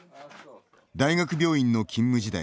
大学病院の勤務時代